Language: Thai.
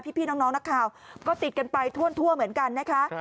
พี่น้องนักข่าวก็ติดกันไปทั่วเหมือนกันนะคะ